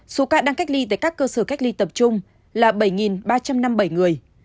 số ca đang cách ly tại các cơ sở cách ly tập trung là bảy ba trăm năm mươi bảy người